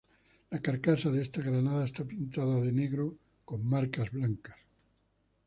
La carcasa de esta granada está pintada de negro con marcas blancas.